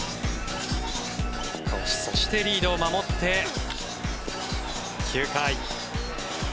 そして、リードを守って９回。